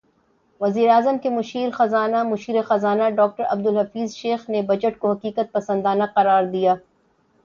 وزیراعظم کے مشیر خزانہ ڈاکٹر عبدالحفیظ شیخ نے بجٹ کو حقیقت پسندانہ قرار دیا